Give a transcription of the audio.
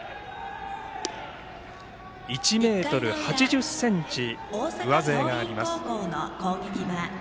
１ｍ８０ｃｍ、上背があります。